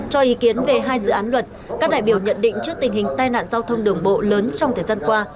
cho ý kiến về hai dự án luật các đại biểu nhận định trước tình hình tai nạn giao thông đường bộ lớn trong thời gian qua